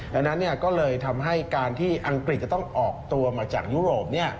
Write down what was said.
ดังนั้นก็เลยทำให้การที่อังกฤษจะต้องออกตัวมาจากยุโรป